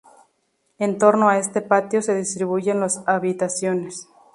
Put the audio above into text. En torno a este patio se distribuyen las habitaciones.